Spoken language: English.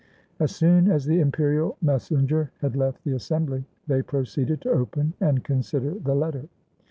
As soon as the imperial messenger had left the assem bly they proceeded to open and consider the letter.